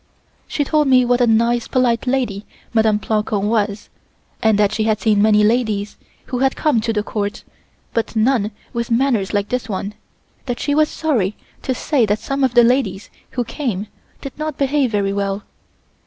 She told me what a nice, polite lady Mdme. Plancon was, that she had seen many ladies who had come to the Court, but none with manners like this one, that she was sorry to say that some of the ladies who came did not behave very well.